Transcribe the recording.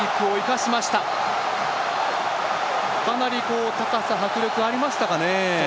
かなり高さ、迫力ありましたかね。